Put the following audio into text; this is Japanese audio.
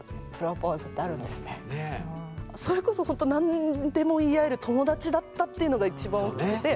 それこそほんと何でも言い合える友達だったっていうのがいちばん大きくて。